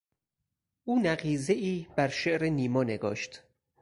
او نقیضهای بر شعر نیما نگاشت.